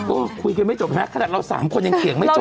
โอ้คุยคือไม่จบนะขนาดเรา๓คนยังเขียงไม่จบ